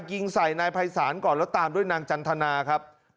ยิงใส่นายภัยศาลก่อนแล้วตามด้วยนางจันทนาครับ